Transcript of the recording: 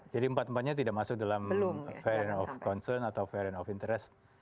jadi empat empatnya tidak masuk dalam varian of concern atau varian of interest